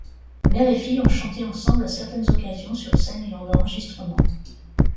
Mère et fille ont chanté ensemble à certaines occasions, sur scène et en enregistrement.